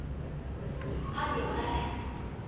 犯人は誰？